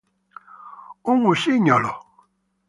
Un usignolo!